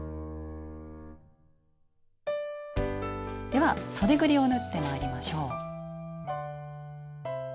ではそでぐりを縫ってまいりましょう。